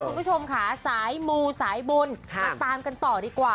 คุณผู้ชมค่ะสายมูสายบุญมาตามกันต่อดีกว่า